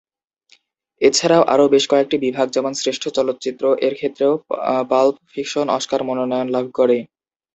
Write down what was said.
এছাড়াও আরো বেশ কয়েকটি বিভাগ যেমন "শ্রেষ্ঠ চলচ্চিত্র" এর ক্ষেত্রেও পাল্প ফিকশন অস্কার মনোনয়ন লাভ করে।